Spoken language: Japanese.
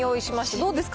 どうですか？